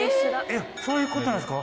えっそういう事なんですか？